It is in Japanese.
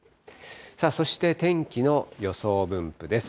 さあ、そして天気の予想分布です。